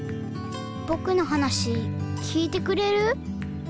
ぼくのはなしきいてくれる？